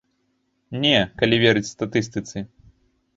Не, калі верыць статыстыцы.